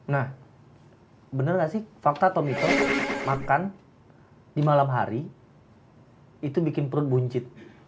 nah bener gak sih fakta tommy to makan di malam hari itu bikin perut buncit